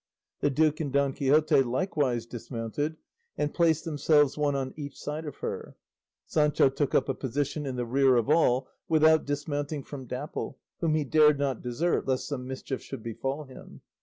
The duke and Don Quixote likewise dismounted and placed themselves one at each side of her. Sancho took up a position in the rear of all without dismounting from Dapple, whom he dared not desert lest some mischief should befall him.